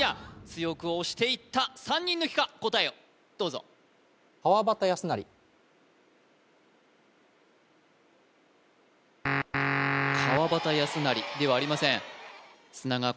強く押していった３人抜きか答えをどうぞ川端康成ではありません砂川